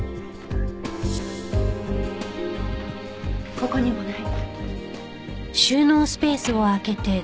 ここにもない。